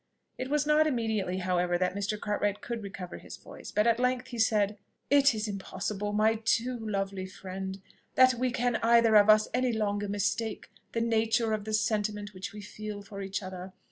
It was not immediately, however, that Mr. Cartwright could recover his voice; but at length he said, "It is impossible, my too lovely friend, that we can either of us any longer mistake the nature of the sentiment which we feel for each other.